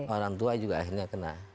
orang tua juga akhirnya kena